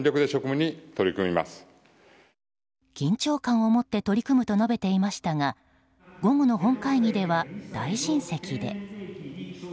緊張感を持って取り組むと述べていましたが午後の本会議では大臣席で。